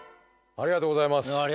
ありがとうございます。